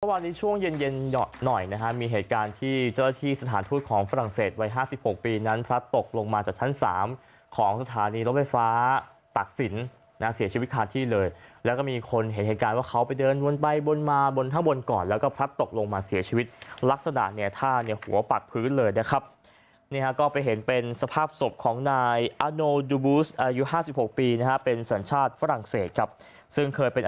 วันนี้ช่วงเย็นเย็นหยอดหน่อยนะฮะมีเหตุการณ์ที่เจ้าที่สถานทูตของฝรั่งเศสวัยห้าสิบหกปีนั้นพลัดตกลงมาจากชั้นสามของสถานีรถไฟฟ้าตักศิลป์นะฮะเสียชีวิตขาดที่เลยแล้วก็มีคนเห็นเหตุการณ์ว่าเขาไปเดินวนไปบนมาบนห้างบนก่อนแล้วก็พลัดตกลงมาเสียชีวิตลักษณะเนี้ยท่าเนี้ยหัวปากพื